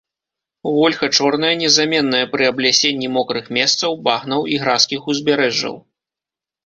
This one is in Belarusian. Вольха чорная незаменная пры аблясенні мокрых месцаў, багнаў і гразкіх узбярэжжаў.